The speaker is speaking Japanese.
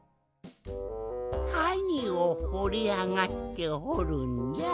はにをほりあがってほるんじゃ？